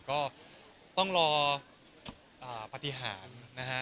ก็ต้องรอปฏิหารนะฮะ